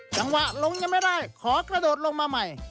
จังหวะลงยังไม่ได้ขอกระโดดลงมาใหม่